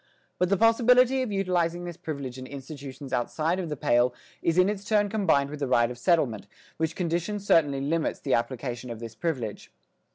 But the possibility of utilising this privilege in institutions outside of the "Pale" is in its turn combined with the "right of settlement," which condition certainly limits the application of this privilege.